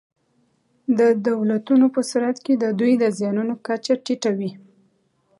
د دولتونو په صورت کې د دوی د زیانونو کچه ټیټه وي.